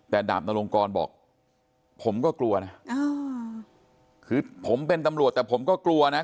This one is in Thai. แต่ดาบนลงกรบอกผมก็กลัวนะคือผมเป็นตำรวจแต่ผมก็กลัวนะ